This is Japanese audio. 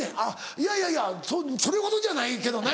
「いやいやいやそれほどじゃないけどね」。